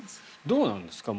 どうなんですか？